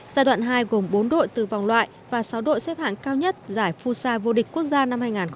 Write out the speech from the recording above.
giai đoạn hai gồm bốn đội từ vòng loại và sáu đội xếp hạng cao nhất giải phút san vô địch quốc gia năm hai nghìn một mươi sáu